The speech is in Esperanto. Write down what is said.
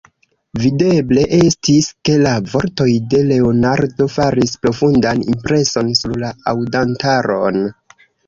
Videble estis, ke la vortoj de Leonardo faris profundan impreson sur la aŭdantaron.